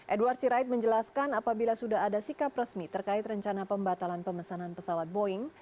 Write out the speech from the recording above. edward sirait menjelaskan apabila sudah ada sikap resmi terkait rencana pembatalan pemesanan pesawat boeing